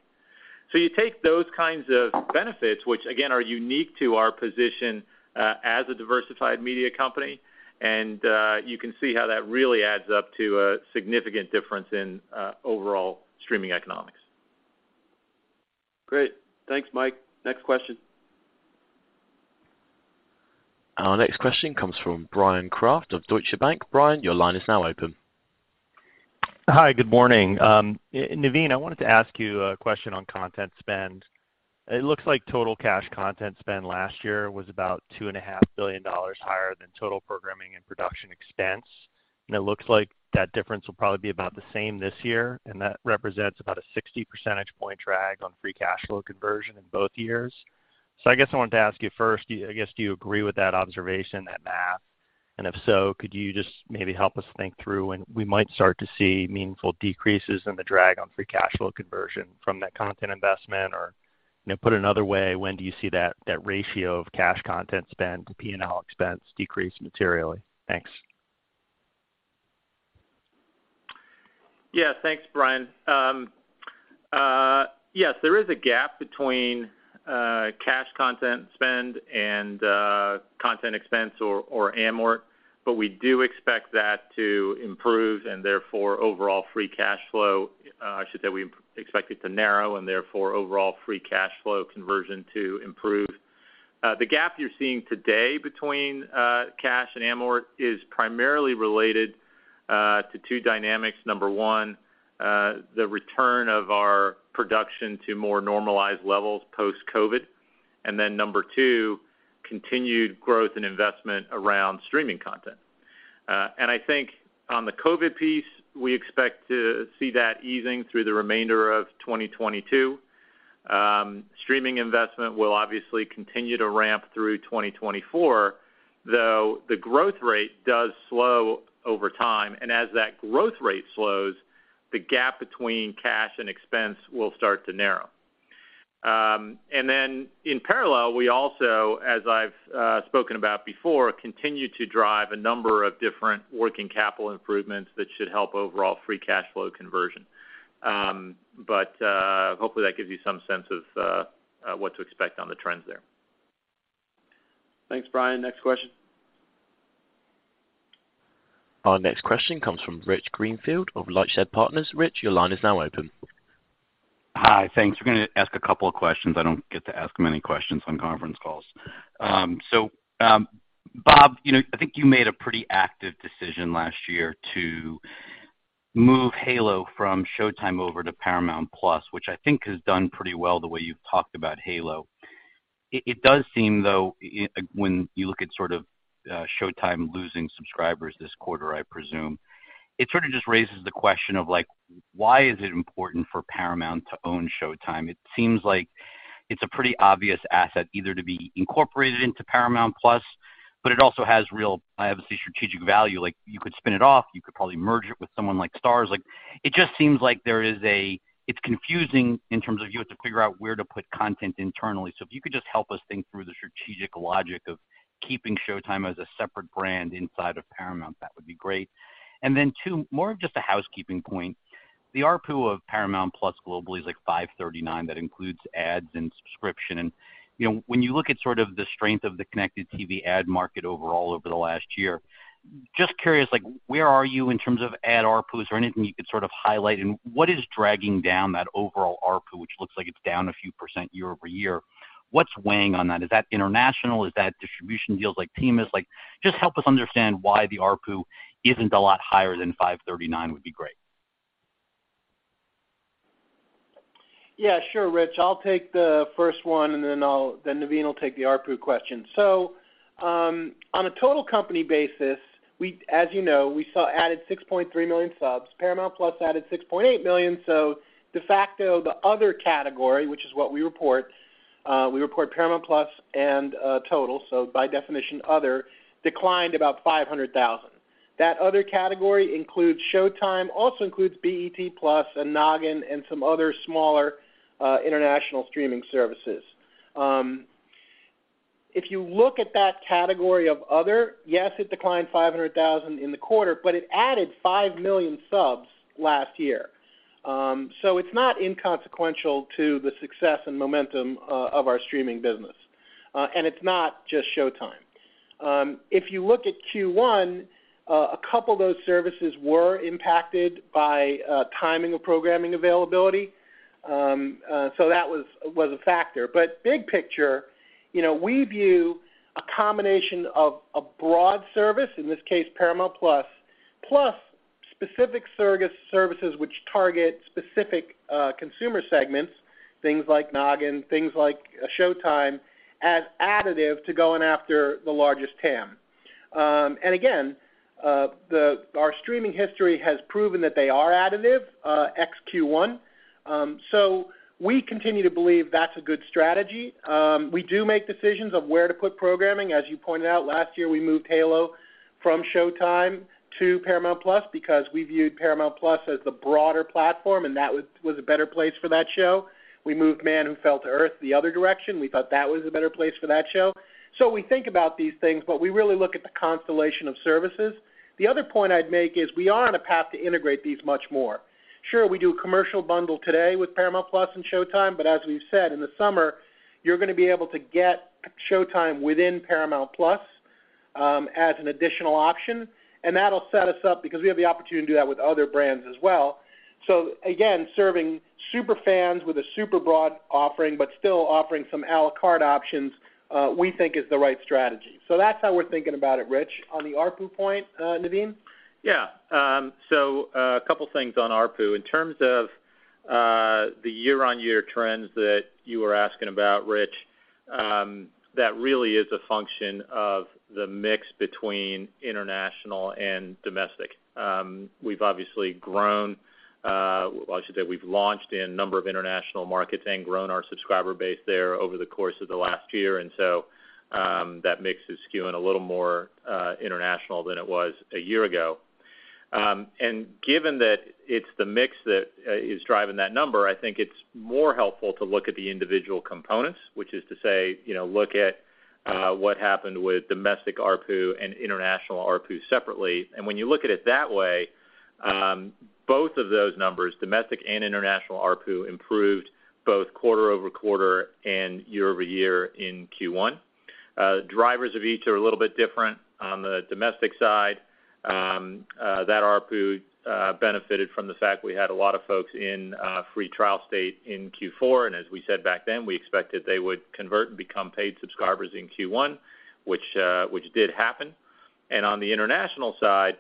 You take those kinds of benefits, which again, are unique to our position, as a diversified media company, and you can see how that really adds up to a significant difference in overall streaming economics. Great. Thanks, Mike. Next question. Our next question comes from Bryan Kraft of Deutsche Bank. Bryan, your line is now open. Hi. Good morning. Naveen, I wanted to ask you a question on content spend. It looks like total cash content spend last year was about $2.5 billion higher than total programming and production expense. It looks like that difference will probably be about the same this year, and that represents about a 60 percentage point drag on free cash flow conversion in both years. I guess I wanted to ask you first, I guess, do you agree with that observation, that math? If so, could you just maybe help us think through when we might start to see meaningful decreases in the drag on free cash flow conversion from that content investment? Or, you know, put another way, when do you see that ratio of cash content spend to P&L expense decrease materially? Thanks. Yeah. Thanks, Brian. Yes, there is a gap between cash content spend and content expense or amort, but we do expect that to improve and therefore overall free cash flow. I should say we expect it to narrow and therefore overall free cash flow conversion to improve. The gap you're seeing today between cash and amort is primarily related to two dynamics. Number one, the return of our production to more normalized levels post-COVID. Number two, continued growth and investment around streaming content. I think on the COVID piece, we expect to see that easing through the remainder of 2022. Streaming investment will obviously continue to ramp through 2024, though the growth rate does slow over time. As that growth rate slows, the gap between cash and expense will start to narrow. In parallel, we also, as I've spoken about before, continue to drive a number of different working capital improvements that should help overall free cash flow conversion. Hopefully that gives you some sense of what to expect on the trends there. Thanks, Bryan. Next question. Our next question comes from Rich Greenfield of Lightshed Partners. Rich, your line is now open. Hi. Thanks. We're gonna ask a couple of questions. I don't get to ask many questions on conference calls. Bob, you know, I think you made a pretty active decision last year to move Halo from Showtime over to Paramount+, which I think has done pretty well the way you've talked about Halo. It does seem though, when you look at sort of, Showtime losing subscribers this quarter, I presume, it sort of just raises the question of, like, why is it important for Paramount to own Showtime? It seems like it's a pretty obvious asset either to be incorporated into Paramount+, but it also has real, obviously, strategic value. Like, you could spin it off, you could probably merge it with someone like Starz. Like, it just seems like there is, it's confusing in terms of you have to figure out where to put content internally. If you could just help us think through the strategic logic of keeping Showtime as a separate brand inside of Paramount, that would be great. Then too, more of just a housekeeping point. The ARPU of Paramount+ globally is like $5.39. That includes ads and subscription. You know, when you look at sort of the strength of the connected TV ad market overall over the last year, just curious, like, where are you in terms of ad ARPUs or anything you could sort of highlight? What is dragging down that overall ARPU, which looks like it's down a few percent year-over-year? What's weighing on that? Is that international? Is that distribution deals like T-Mobile? Like, just help us understand why the ARPU isn't a lot higher than $5.39 would be great. Yeah, sure, Rich. I'll take the first one, and then Naveen will take the ARPU question. On a total company basis, as you know, we added 6.3 million subs. Paramount+ added 6.8 million. De facto, the other category, which is what we report, we report Paramount+ and total, so by definition, other declined about 500,000. That other category includes Showtime, also includes BET+ and Noggin and some other smaller international streaming services. If you look at that category of other, yes, it declined 500,000 in the quarter, but it added 5 million subs last year. It's not inconsequential to the success and momentum of our streaming business. It's not just Showtime. If you look at first quarter, a couple of those services were impacted by timing of programming availability. That was a factor. Big picture, you know, we view a combination of a broad service, in this case, Paramount Plus, plus specific surrogate services which target specific consumer segments, things like Noggin, things like Showtime, as additive to going after the largest TAM. Again, our streaming history has proven that they are additive, ex first quarter. We continue to believe that's a good strategy. We do make decisions of where to put programming. As you pointed out, last year, we moved Halo from Showtime to Paramount Plus because we viewed Paramount Plus as the broader platform, and that was a better place for that show. We moved The Man Who Fell to Earth the other direction. We thought that was a better place for that show. We think about these things, but we really look at the constellation of services. The other point I'd make is we are on a path to integrate these much more. Sure, we do a commercial bundle today with Paramount+ and Showtime, but as we've said, in the summer, you're gonna be able to get Showtime within Paramount+. As an additional option, and that'll set us up because we have the opportunity to do that with other brands as well. Again, serving super fans with a super broad offering, but still offering some à la carte options, we think is the right strategy. That's how we're thinking about it, Rich. On the ARPU point, Naveen? Yeah. A couple things on ARPU. In terms of the year-on-year trends that you were asking about, Rich, that really is a function of the mix between international and domestic. We've obviously grown, well I should say we've launched in a number of international markets and grown our subscriber base there over the course of the last year. That mix is skewing a little more international than it was a year ago. Given that it's the mix that is driving that number, I think it's more helpful to look at the individual components, which is to say, you know, look at what happened with domestic ARPU and international ARPU separately. When you look at it that way, both of those numbers, domestic and international ARPU, improved both quarter-over-quarter and year-over-year in first quarter. Drivers of each are a little bit different. On the domestic side, that ARPU benefited from the fact we had a lot of folks in a free trial state in fourth quarter. As we said back then, we expected they would convert and become paid subscribers in first quarter, which did happen. On the international side,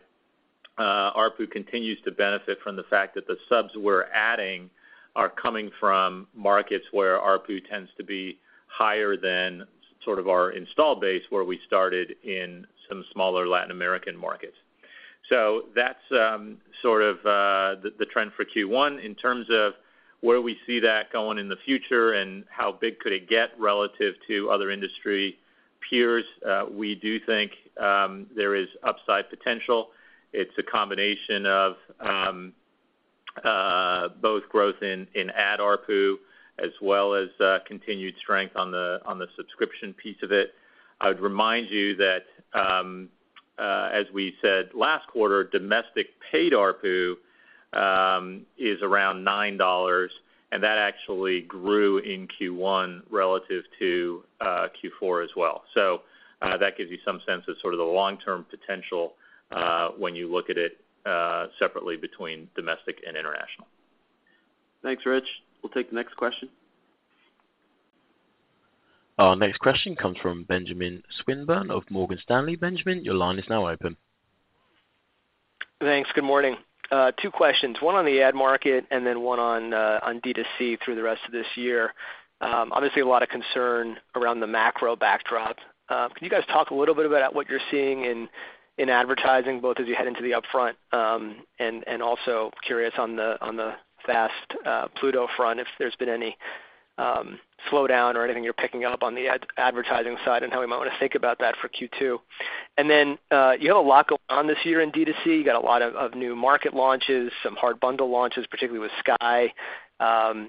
ARPU continues to benefit from the fact that the subs we're adding are coming from markets where ARPU tends to be higher than sort of our install base, where we started in some smaller Latin American markets. That's sort of the trend for first quarter. In terms of where we see that going in the future and how big could it get relative to other industry peers, we do think there is upside potential. It's a combination of both growth in ad ARPU as well as continued strength on the subscription piece of it. I would remind you that as we said last quarter, domestic paid ARPU is around $9, and that actually grew in first quarter relative to fourth quarter as well. That gives you some sense of sort of the long-term potential when you look at it separately between domestic and international. Thanks, Rich. We'll take the next question. Our next question comes from Benjamin Swinburne of Morgan Stanley. Benjamin, your line is now open. Thanks. Good morning. Two questions, one on the ad market and then one on D2C through the rest of this year. Obviously a lot of concern around the macro back-drop. Can you guys talk a little bit about what you're seeing in advertising, both as you head into the upfront, and also curious on the FAST Pluto front, if there's been any slowdown or anything you're picking up on the advertising side and how we might want to think about that for second quarter? You have a lot going on this year in D2C. You got a lot of new market launches, some hard bundle launches, particularly with Sky.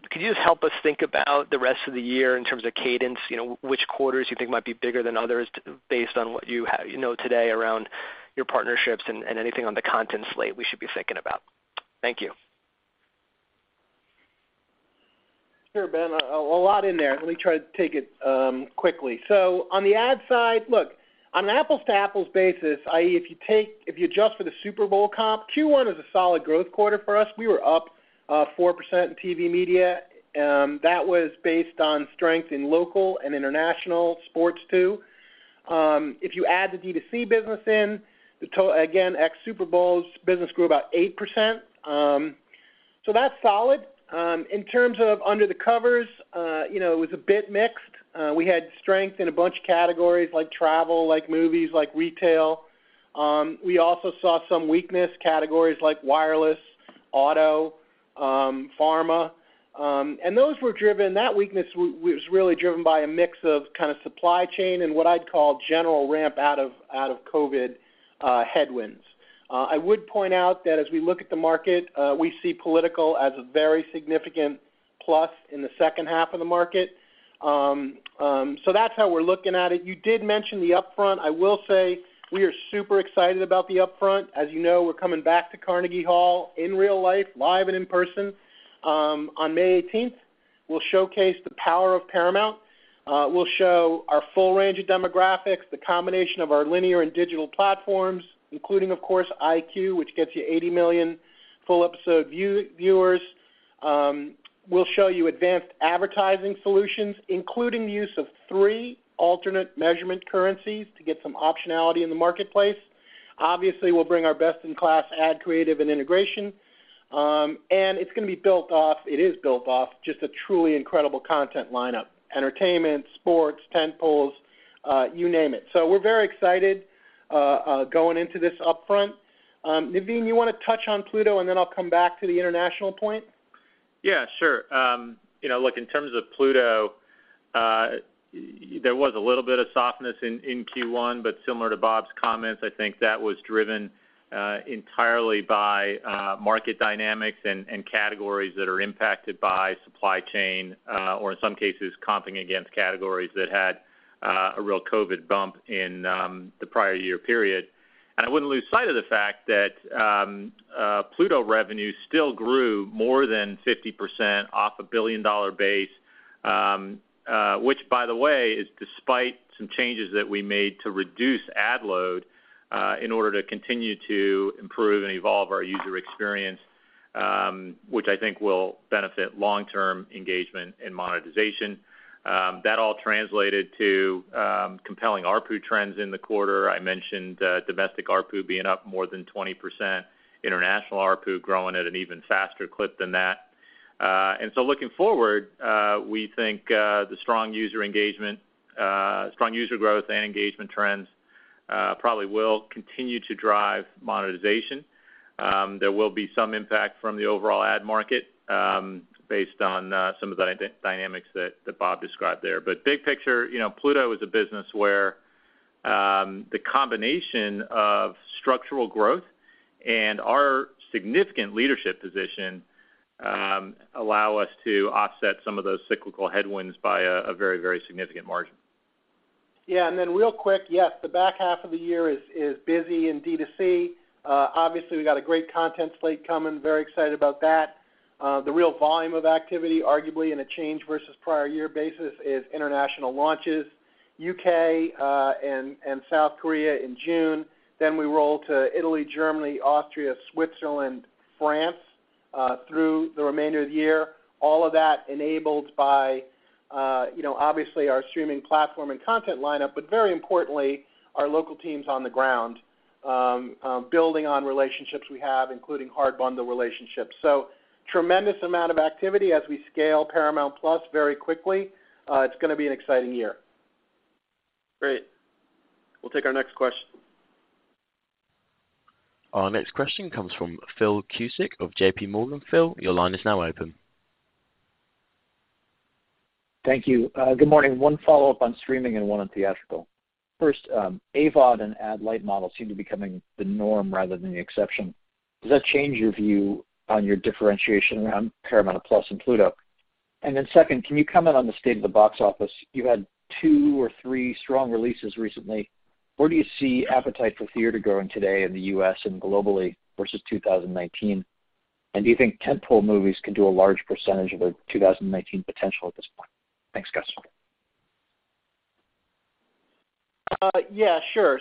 Could you just help us think about the rest of the year in terms of cadence? You know, which quarters you think might be bigger than others based on what you know today around your partnerships and anything on the content slate we should be thinking about? Thank you. Sure, Ben. A lot in there. Let me try to take it quickly. On the ad side, look, on an apples-to-apples basis, i.e., if you adjust for the Super Bowl comp, first quarter is a solid growth quarter for us. We were up 4% in TV media. That was based on strength in local and international sports too. If you add the D2C business in, the total again, ex Super Bowls business grew about 8%. That's solid. In terms of under the covers, you know, it was a bit mixed. We had strength in a bunch of categories like travel, like movies, like retail. We also saw some weakness in categories like wireless, auto, pharma. That weakness was really driven by a mix of kind of supply chain and what I'd call general ramp out of COVID headwinds. I would point out that as we look at the market, we see political as a very significant plus in the second half of the market. That's how we're looking at it. You did mention the upfront. I will say we are super excited about the upfront. As you know, we're coming back to Carnegie Hall in real life, live and in person, on May 18. We'll showcase the power of Paramount. We'll show our full-range of demographics, the combination of our linear and digital platforms, including, of course, EyeQ, which gets you 80 million full episode viewers. We'll show you advanced advertising solutions, including the use of three alternate measurement currencies to get some optionality in the marketplace. Obviously, we'll bring our best-in-class ad creative and integration. It is built off just a truly incredible content line-up, entertainment, sports, tent-poles, you name it. We're very excited going into this upfront. Naveen, you wanna touch on Pluto, and then I'll come back to the international point? Yeah, sure. You know, look, in terms of Pluto, there was a little bit of softness in first quarter, but similar to Bob's comments, I think that was driven entirely by market dynamics and categories that are impacted by supply chain, or in some cases, comping against categories that had a real COVID bump in the prior year period. I wouldn't lose sight of the fact that Pluto revenue still grew more than 50% off a billion-dollar base. Which by the way, is despite some changes that we made to reduce ad load in order to continue to improve and evolve our user experience, which I think will benefit long-term engagement and monetization. That all translated to compelling ARPU trends in the quarter. I mentioned, domestic ARPU being up more than 20%, international ARPU growing at an even faster clip than that. Looking forward, we think, the strong user engagement, strong user growth and engagement trends, probably will continue to drive monetization. There will be some impact from the overall ad market, based on, some of the dynamics that Bob described there. Big picture, you know, Pluto is a business where, the combination of structural growth and our significant leadership position, allow us to offset some of those cyclical headwinds by a very, very significant margin. Yeah. Then real quick, yes, the back half of the year is busy in D2C. Obviously we've got a great content slate coming. Very excited about that. The real volume of activity, arguably on a year-over-year basis, is international launches, U.K., and South Korea in June. Then we roll to Italy, Germany, Austria, Switzerland, France, through the remainder of the year. All of that enabled by obviously our streaming platform and content lineup, but very importantly, our local teams on the ground, building on relationships we have, including our bundle relationships. Tremendous amount of activity as we scale Paramount+ very quickly. It's gonna be an exciting year. Great. We'll take our next question. Our next question comes from Philip Cusick of J.P. Morgan. Phil, your line is now open. Thank you. Good morning. One follow-up on streaming and one on theatrical. First, AVOD and ad-light models seem to be becoming the norm rather than the exception. Does that change your view on your differentiation around Paramount+ and Pluto? Second, can you comment on the state of the box office? You had two or three strong releases recently. Where do you see appetite for theater growing today in the U.S. and globally versus 2019? Do you think tent-pole movies can do a large percentage of their 2019 potential at this point? Thanks, guys. Yeah, sure.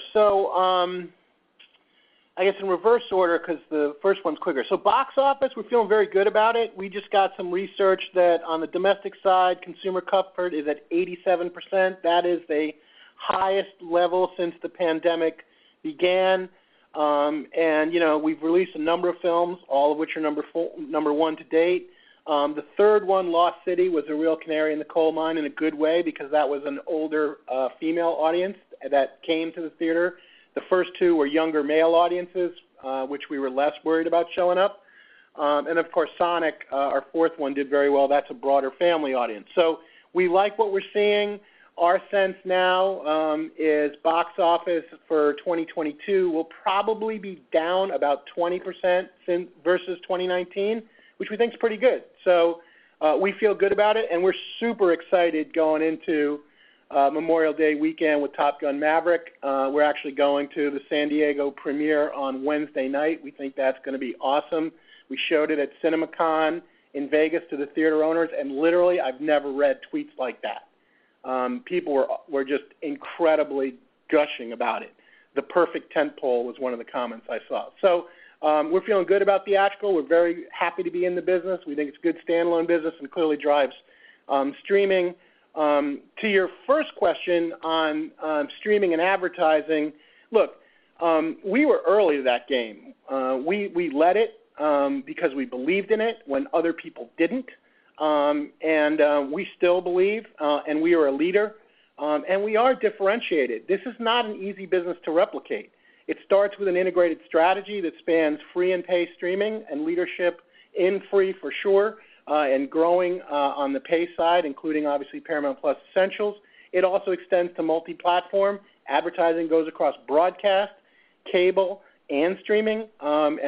I guess in reverse order, 'cause the first one's quicker. Box office, we're feeling very good about it. We just got some research that on the domestic side, consumer comfort is at 87%. That is the highest level since the pandemic began. You know, we've released a number of films, all of which are number one to date. The third one, The Lost City, was a real canary in the coal mine in a good way because that was an older female audience that came to the theater. The first two were younger male audiences, which we were less worried about showing up. Of course, Sonic, our fourth one did very well. That's a broader family audience. We like what we're seeing. Our sense now is box office for 2022 will probably be down about 20% versus 2019, which we think is pretty good. We feel good about it, and we're super excited going into Memorial Day weekend with Top Gun: Maverick. We're actually going to the San Diego premiere on Wednesday night. We think that's gonna be awesome. We showed it at CinemaCon in Vegas to the theater owners, and literally I've never read tweets like that. People were just incredibly gushing about it. The perfect tent pole was one of the comments I saw. We're feeling good about theatrical. We're very happy to be in the business. We think it's good standalone business and clearly drives streaming. To your first question on streaming and advertising. Look, we were early to that game. We led it because we believed in it when other people didn't. We still believe and we are a leader and we are differentiated. This is not an easy business to replicate. It starts with an integrated strategy that spans free and paid streaming and leadership in free for sure and growing on the paid side, including obviously Paramount+ Essential. It also extends to multi-platform. Advertising goes across broadcast, cable, and streaming.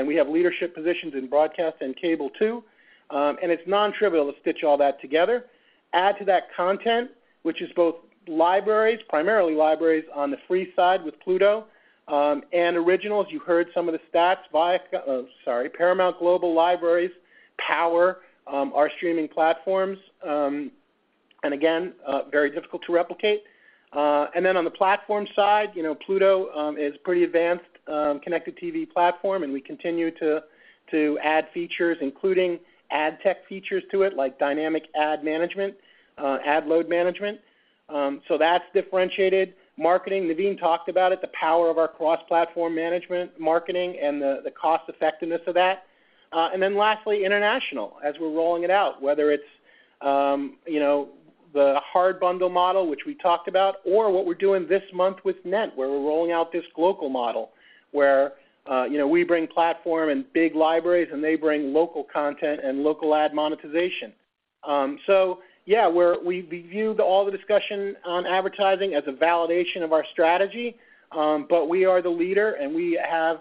We have leadership positions in broadcast and cable too. It's non-trivial to stitch all that together. Add to that content, which is both libraries, primarily libraries on the free side with Pluto and originals. You heard some of the stats. Paramount Global library powers our streaming platforms. Again, very difficult to replicate. On the platform side, you know, Pluto is pretty advanced connected TV platform, and we continue to add features, including ad tech features to it, like dynamic ad management, ad load management. So that's differentiated. Marketing. Naveen talked about it, the power of our cross-platform management, marketing and the cost effectiveness of that. Lastly, international, as we're rolling it out, whether it's you know, the hard bundle model, which we talked about, or what we're doing this month with Netflix, where we're rolling out this global model where you know, we bring platform and big libraries and they bring local content and local ad monetization. So yeah, we viewed all the discussion on advertising as a validation of our strategy. We are the leader and we have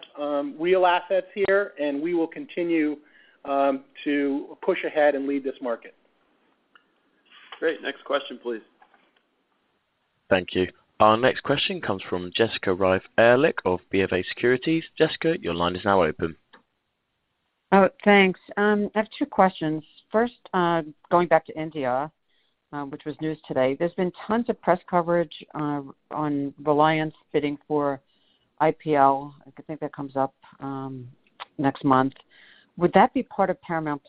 real assets here, and we will continue to push ahead and lead this market. Great. Next question, please. Thank you. Our next question comes from Jessica Reif Ehrlich of BofA Securities. Jessica, your line is now open. Oh, thanks. I have two questions. First, going back to India, which was news today. There's been tons of press coverage on Reliance bidding for IPL. I think that comes up next month. Would that be part of Paramount+?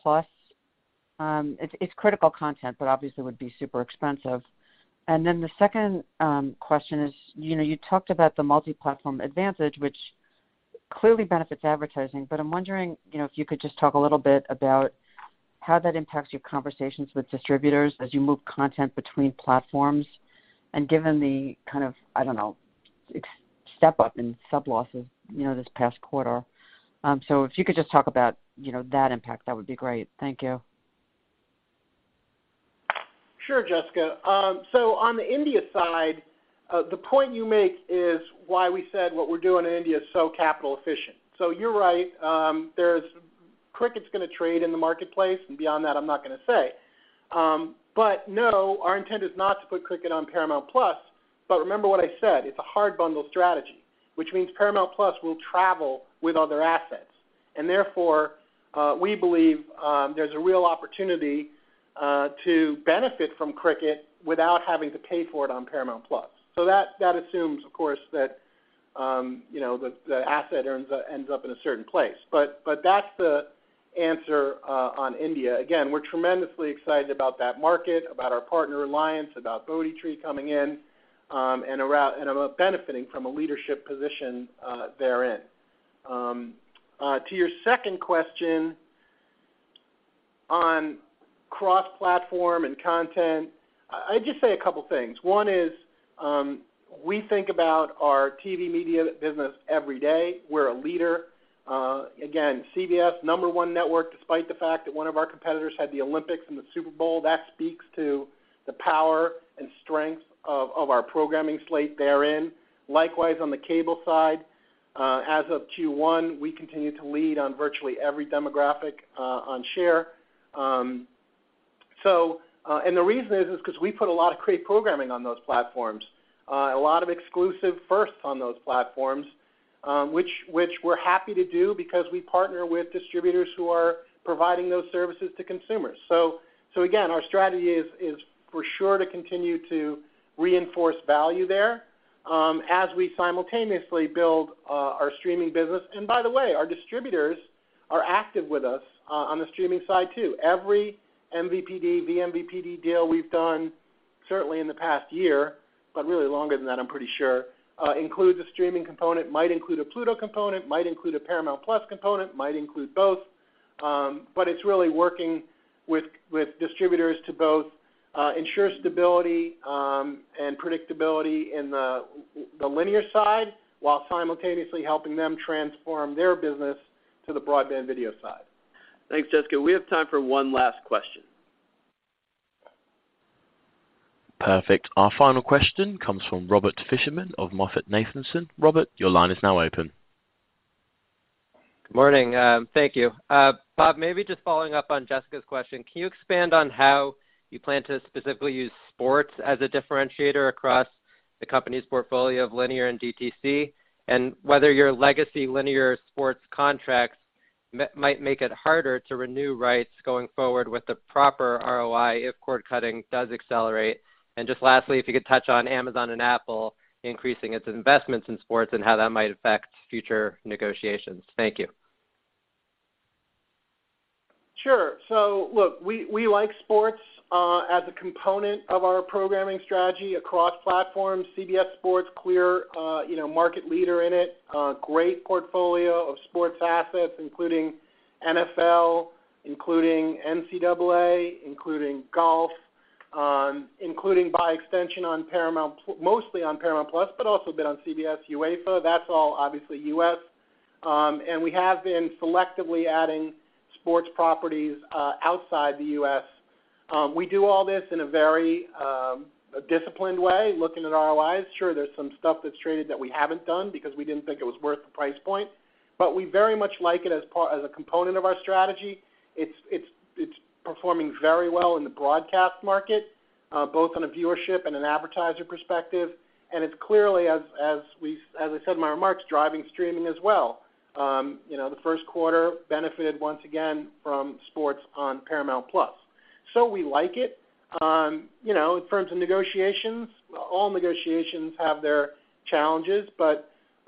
It's critical content, but obviously would be super expensive. The second question is, you know, you talked about the multi-platform advantage, which clearly benefits advertising. I'm wondering, you know, if you could just talk a little bit about how that impacts your conversations with distributors as you move content between platforms and given the kind of, I don't know, step-up in sub-losses, you know, this past quarter. If you could just talk about, you know, that impact, that would be great. Thank you. Sure, Jessica. On the India side, the point you make is why we said what we're doing in India is so capital efficient. You're right, there's cricket's gonna trade in the marketplace, and beyond that, I'm not gonna say. No, our intent is not to put cricket on Paramount+. Remember what I said, it's a hard bundle strategy, which means Paramount+ will travel with other assets. Therefore, we believe there's a real opportunity to benefit from cricket without having to pay for it on Paramount+. That assumes, of course, that you know, the asset ends up in a certain place. That's the answer on India. Again, we're tremendously excited about that market, about our partner Reliance, about Bodhi Tree coming in, and about benefiting from a leadership position therein. To your second question on cross-platform and content, I'd just say a couple things. One is, we think about our TV media business every day. We're a leader. Again, CBS, number one network, despite the fact that one of our competitors had the Olympics and the Super Bowl. That speaks to the power and strength of our programming slate therein. Likewise, on the cable side, as of first quarter, we continue to lead on virtually every demographic on share. The reason is 'cause we put a lot of great programming on those platforms. A lot of exclusive firsts on those platforms, which we're happy to do because we partner with distributors who are providing those services to consumers. Again, our strategy is for sure to continue to reinforce value there, as we simultaneously build our streaming business. By the way, our distributors are active with us on the streaming side too. Every MVPD, vMVPD deal we've done certainly in the past year, but really longer than that, I'm pretty sure, includes a streaming component, might include a Pluto component, might include a Paramount Plus component, might include both. It's really working with distributors to both ensure stability and predictability in the linear side, while simultaneously helping them transform their business to the broadband video side. Thanks, Jessica. We have time for one last question. Perfect. Our final question comes from Robert Fishman of MoffettNathanson. Robert, your line is now open. Good morning. Thank you. Bob, maybe just following up on Jessica's question, can you expand on how you plan to specifically use sports as a differentiator across the company's portfolio of linear and DTC? Whether your legacy linear sports contracts might make it harder to renew rights going forward with the proper ROI if cord cutting does accelerate. Just lastly, if you could touch on Amazon and Apple increasing its investments in sports and how that might affect future negotiations. Thank you. Sure. Look, we like sports as a component of our programming strategy across platforms. CBS Sports, clearly, market leader in it. Great portfolio of sports assets, including NFL, including NCAA, including golf, including by extension mostly on Paramount+, but also a bit on CBS UEFA. That's all obviously U.S. We have been selectively adding sports properties outside the U.S. We do all this in a very disciplined way, looking at ROIs. Sure, there's some stuff that's traded that we haven't done because we didn't think it was worth the price point. We very much like it as a component of our strategy. It's performing very well in the broadcast market, both on a viewership and an advertiser perspective. It's clearly, as I said in my remarks, driving streaming as well. You know, the first quarter benefited once again from sports on Paramount+. We like it. You know, in terms of negotiations, all negotiations have their challenges. You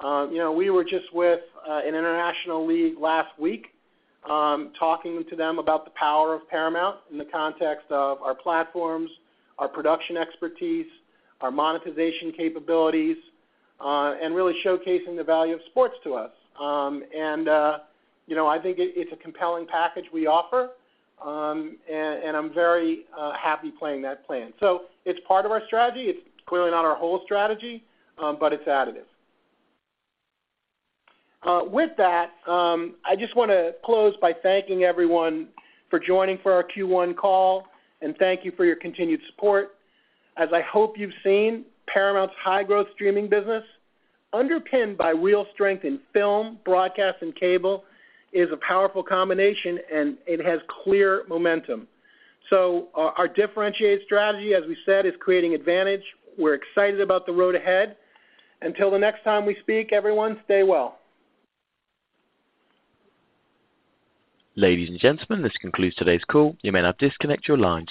know, we were just with an international league last week, talking to them about the power of Paramount in the context of our platforms, our production expertise, our monetization capabilities, and really showcasing the value of sports to us. You know, I think it's a compelling package we offer, and I'm very happy playing that plan. It's part of our strategy. It's clearly not our whole strategy, but it's additive. With that, I just wanna close by thanking everyone for joining for our first quarter call, and thank you for your continued support. As I hope you've seen, Paramount's high-growth streaming business, under-pinned by real strength in film, broadcast, and cable, is a powerful combination, and it has clear momentum. Our differentiated strategy, as we said, is creating advantage. We're excited about the road ahead. Until the next time we speak, everyone, stay well. Ladies and gentlemen, this concludes today's call. You may now disconnect your lines.